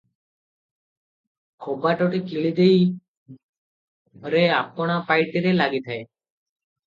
କବାଟଟି କିଳିଦେଇ ଘରେ ଆପଣା ପାଇଟିରେ ଲାଗିଥାଏ ।